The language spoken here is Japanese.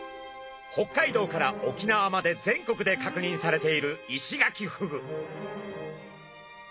北海道から沖縄まで全国で確認されているイシガキフグ。